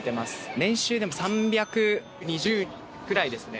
年収でも３２０くらいですね。